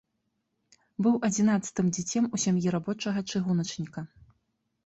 Быў адзінаццатым дзіцем у сям'і рабочага-чыгуначніка.